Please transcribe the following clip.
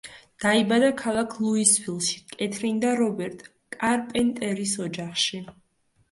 დაიბადა ქალაქ ლუისვილში კეთრინ და რობერტ კარპენტერის ოჯახში.